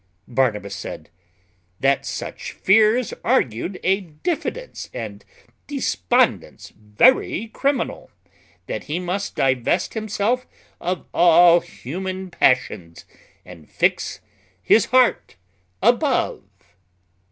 Barnabas said, "That such fears argued a diffidence and despondence very criminal; that he must divest himself of all human passions, and fix his heart above."